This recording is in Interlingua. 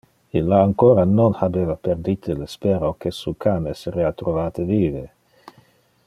Illa ancora non habeva perdite le spero que su can esserea trovate vive.